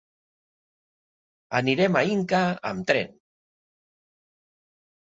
Anirem a Inca amb tren.